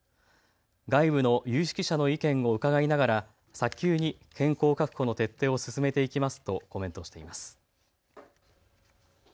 外部の有識者の意見を伺いながら早急に健康確保の徹底を進めていきますとコメントしています。